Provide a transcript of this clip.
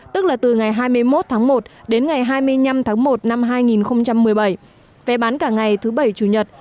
tức là từ ngày hai mươi một một đến ngày hai mươi năm một hai nghìn một mươi bảy vé bán cả ngày thứ bảy chủ nhật